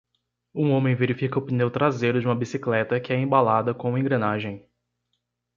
Um homem verifica o pneu traseiro de uma bicicleta que é embalada com engrenagem.